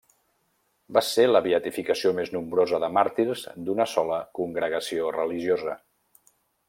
Va ser la beatificació més nombrosa de màrtirs d'una sola congregació religiosa.